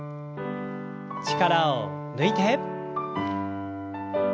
力を抜いて。